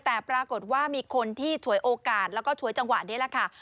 แต่ปรากฏว่ามีคนที่ฉวยโอกาสแล้วก็ฉวยจังหวะนี้แหละค่ะ